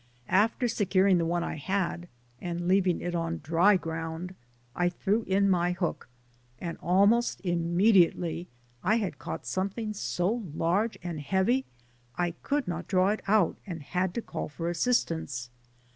After securing the one I had — and leav ing it on dry ground, I threw in my hook, 68 DAYS ON THE ROAD. and almost immediately I had caught some thing so large and heavy I could not draw it out and had to call for assistance.